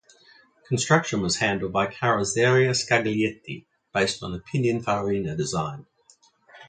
Construction was handled by Carrozzeria Scaglietti based on a Pinin Farina design.